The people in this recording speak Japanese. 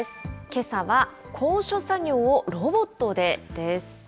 けさは、高所作業をロボットで！です。